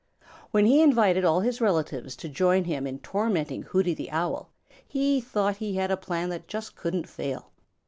When he invited all his relatives to join him in tormenting Hooty the Owl, he thought he had a plan that just couldn't fail.